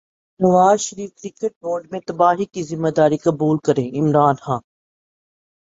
نواز Sharif cricket board میں تباہی کی ذمہ داری قبول کریں عمران خان